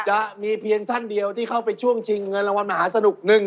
จะมีเพียงท่านเดียวที่เข้าไปช่วงชิงเงินรางวัลมหาสนุก